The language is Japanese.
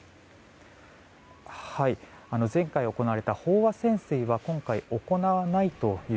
前回行われた飽和潜水は今回行わないと。